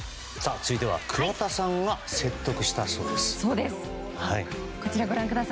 続いては桑田さんが説得したそうです。